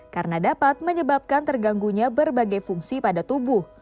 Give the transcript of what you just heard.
karena dapat menyebabkan terganggunya berbagai fungsi pada tubuh